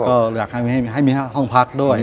ก็อยากให้มีห้องพักด้วย